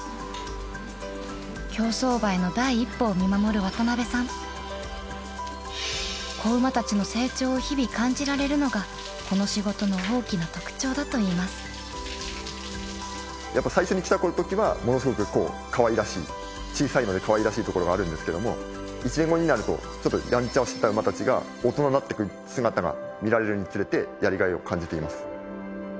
競走馬への第一歩を見守る渡邉さん仔馬たちの成長を日々感じられるのがこの仕事の大きな特徴だといいますやっぱ最初に来たときはものすごくかわいらしい小さいのでかわいらしいところがあるんですけども１年後になるとちょっとやんちゃをしてた馬たちが大人になってく姿が見られるにつれてやりがいを感じています